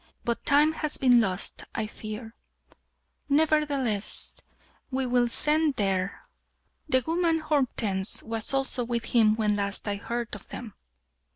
But time has been lost, I fear." "Nevertheless, we will send there." "The woman Hortense was also with him when last I heard of them."